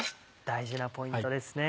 大事なポイントですね。